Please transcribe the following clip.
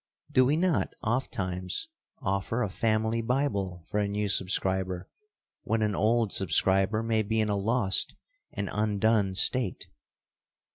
Do we not ofttimes offer a family Bible for a new subscriber when an old subscriber may be in a lost and undone state?